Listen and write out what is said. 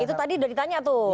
itu tadi udah ditanya tuh